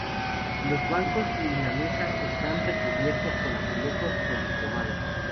Los bancos y la mesa están recubiertos con azulejos policromados.